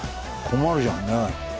困るじゃんね。